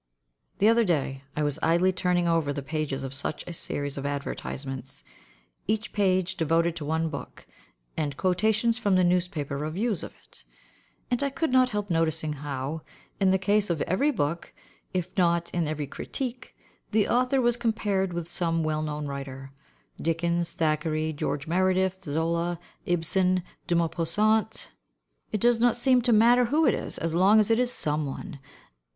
The other day I was idly turning over the pages of such a series of advertisements (each page devoted to one book, and quotations from the newspaper reviews of it), and I could not help noticing how, in the case of every book, if not in every critique, the author was compared with some well known writer Dickens, Thackeray, George Meredith, Zola, Ibsen, De Maupassant it does not seem to matter who it is, so long as it is some one.